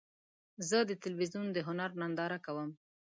زه د تلویزیون د هنر ننداره کوم.